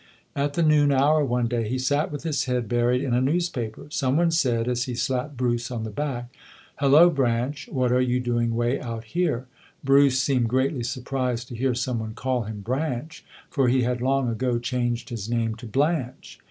At the noon hour, one day, he sat with his head buried in a newspaper. Some one said, as he slapped Bruce on the back, "Hello, Branch, what are you doing way out here?" Bruce seemed greatly surprised to hear some one call him Branch, for he had long ago changed his name to Blanche.